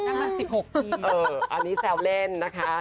ยังมา๑๖ปีเอออันนี้แซวเล่นนะคะ